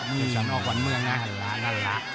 นั่นหรอ